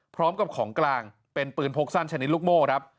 พร้อมกับของกลางเป็นปืนพกสั้นชนิดลูกโม่ครับ